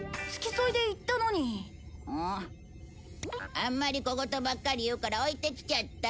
あんまり小言ばっかり言うから置いてきちゃった。